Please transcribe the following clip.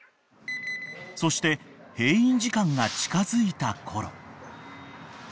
［そして閉院時間が近づいたころ］